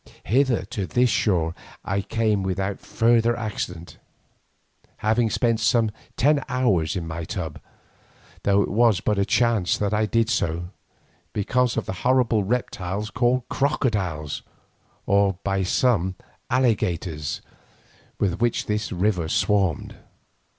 Hither to this shore I came without further accident, having spent some ten hours in my tub, though it was but a chance that I did so, because of the horrible reptiles called crocodiles, or, by some, alligators, with which this river swarmed.